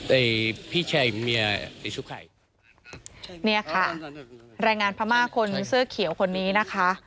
ไอ้พี่ชายเมียไปชุบใครเนี่ยค่ะแรงงานพม่าคนเสื้อเขียวคนนี้นะคะ